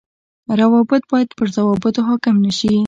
روابط باید پر ضوابطو حاڪم نشي